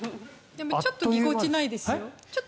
でも、ちょっとぎこちないですね。